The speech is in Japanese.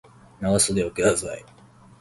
長袖をください